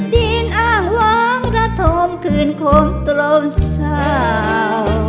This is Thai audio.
ดินอาหวังระทมคืนคมตรงเศร้า